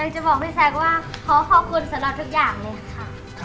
จะบอกพี่แซคว่าขอขอบคุณสำหรับทุกอย่างเลยค่ะ